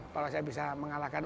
kalau saya bisa mengalahkan